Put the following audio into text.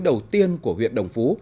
đầu tiên của huyện đồng phú